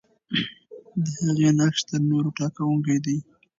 د هغې نقش تر نورو ټاکونکی دی.